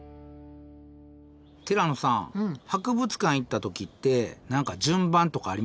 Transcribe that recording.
ティラノさん博物館行った時って何か順番とかあります？